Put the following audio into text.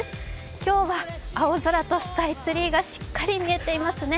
今日は青空とスカイツリーがしっかり見えていますね。